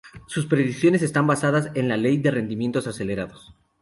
Sus predicciones están basadas en la "ley de rendimientos acelerados".